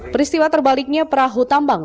peristiwa terbaliknya perahu tambang